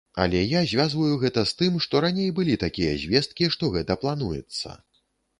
Але я звязваю гэта з тым, што раней былі такія звесткі, што гэта плануецца.